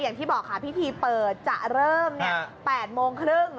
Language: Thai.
อย่างที่บอกค่ะพิธีเปิดจะเริ่ม๘โมงครึ่ง